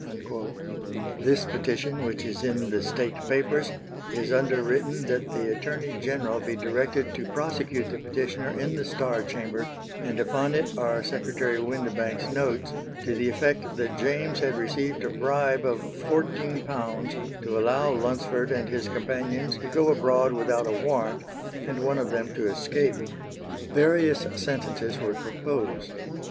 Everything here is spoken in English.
This petition, which is in the State Papers, is underwritten that the Attorney General be directed to prosecute the petitioner in the Star Chamber, and upon it are Secretary Windebank's notes; to the effect that James had received a bribe of £14 to allow Lunsford and his companions to go abroad without a warrant, and one of them to escape. Various sentences were proposed.